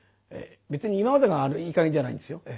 別に今までがいい加減じゃないんですよ。